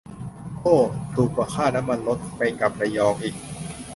โอ้ ถูกกว่าค่าน้ำมันรถ ไปกลับระยองอีก